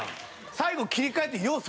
最後切り替えてよう